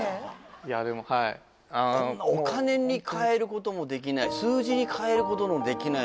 いやでもはいあのもうこんなお金にかえることもできない数字にかえることのできない